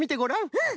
うん。